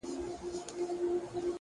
اراده د ستونزو دروازې پرانیزي.